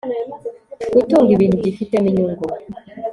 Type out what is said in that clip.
gutunga ibintu byifitemo inyungu